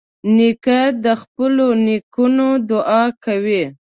نیکه د خپلو نیکونو دعا کوي.